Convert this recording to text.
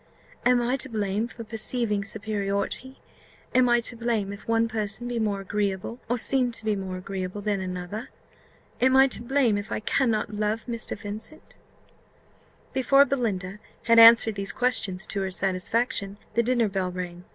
Am I to blame for perceiving superiority? Am I to blame if one person be more agreeable, or seem to be more agreeable, than another? Am I to blame if I cannot love Mr. Vincent?" Before Belinda had answered these questions to her satisfaction, the dinner bell rang.